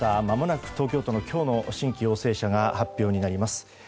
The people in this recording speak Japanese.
まもなく東京都の今日の新規陽性者が発表になります。